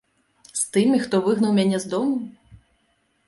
З тымі, хто выгнаў мяне з дому?